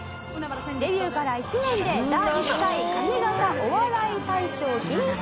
「デビューから１年で第１回上方お笑い大賞銀賞を受賞」